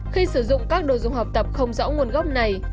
khi sử dụng các đồ dùng học tập không rõ nguồn gốc này